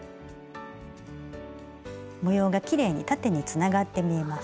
模様がきれいに縦につながって見えます。